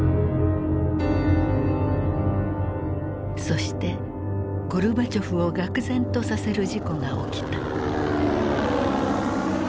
そしてゴルバチョフをがく然とさせる事故が起きた。